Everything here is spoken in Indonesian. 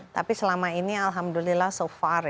tapi selama ini alhamdulillah so far ya masih oke